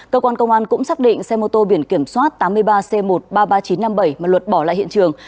cơ quan công an cũng xác định xe mô tô biển kiểm soát tám mươi ba c một trăm ba mươi ba nghìn chín trăm năm mươi bảy mà luật bỏ lại hiện trường